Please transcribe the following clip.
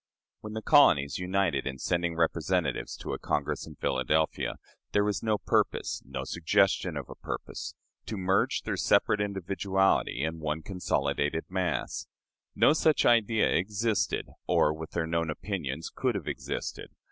When the colonies united in sending representatives to a Congress in Philadelphia, there was no purpose no suggestion of a purpose to merge their separate individuality in one consolidated mass. No such idea existed, or with their known opinions could have existed.